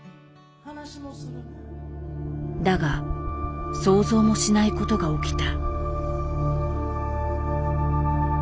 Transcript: だが想像もしないことが起きた。